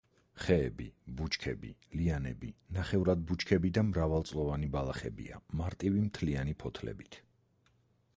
ხეები, ბუჩქები, ლიანები, ნახევრად ბუჩქები და მრავალწლოვანი ბალახებია მარტივი მთლიანი ფოთლებით.